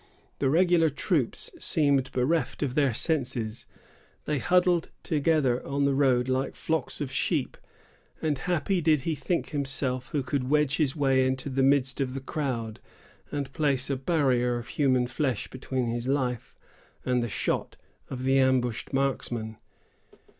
The regular troops seemed bereft of their senses. They huddled together in the road like flocks of sheep; and happy did he think himself who could wedge his way into the midst of the crowd, and place a barrier of human flesh between his life and the shot of the ambushed marksmen.